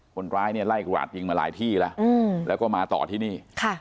คนร้ายเนี่ยไล่กราดยิงมาหลายที่แล้วแล้วก็มาต่อที่นี่